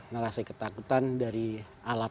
narasi ketakutan dari alat